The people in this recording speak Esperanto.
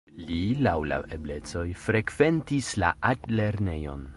Li laŭ la eblecoj frekventis la altlernejon.